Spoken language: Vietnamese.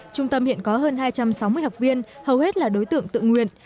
trung tâm hiện có hơn hai trăm sáu mươi học viên hầu hết là đối tượng tự nguyện